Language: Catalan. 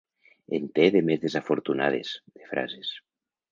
En té de més desafortunades, de frases.